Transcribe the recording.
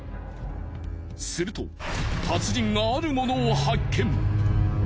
すると達人があるものを発見。